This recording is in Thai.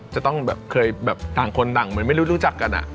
จะต้องแบบเคยแบบต่างคนต่างเหมือนไม่รู้จักกัน